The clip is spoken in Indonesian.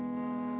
oh ini dia